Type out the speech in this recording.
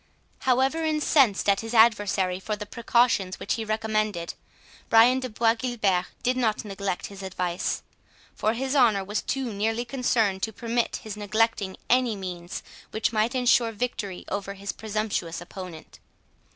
However incensed at his adversary for the precautions which he recommended, Brian de Bois Guilbert did not neglect his advice; for his honour was too nearly concerned, to permit his neglecting any means which might ensure victory over his presumptuous opponent.